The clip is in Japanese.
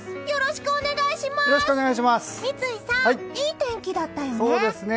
よろしくお願いします！